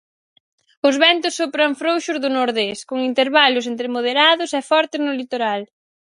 Os ventos sopran frouxos do nordés, con intervalos entre moderados e fortes no litoral.